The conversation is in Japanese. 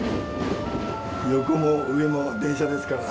横も上も電車ですから。